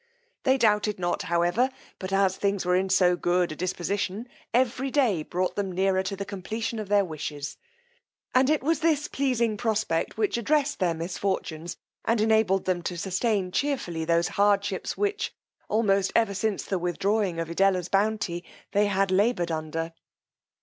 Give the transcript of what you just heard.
They doubted not, however, but as things were in so good a disposition, every day brought them nearer to the completion of their wishes; and it was this pleasing prospect which addressed their misfortunes, and enabled them to sustain cheerfully those hardships which, almost ever since the withdrawing of Edella's bounty, they had laboured under.